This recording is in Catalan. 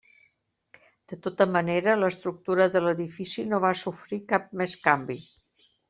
De tota manera, l’estructura de l’edifici no va sofrir cap més canvi.